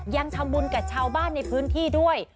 ยังทำบุญกับชาวบ้านในพื้นที่ด้วย